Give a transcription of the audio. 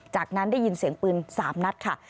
จากนั้นได้ยินเสียงปืน๓นัดค่ะ